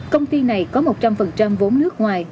công ty này có một trăm linh vốn nước ngoài